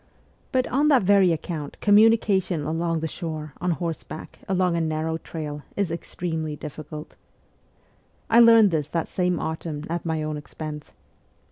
But on that very account communication along the shore, on horseback, along a narrow trail, is extremely difficult. I learned this that same autumn at my own expense.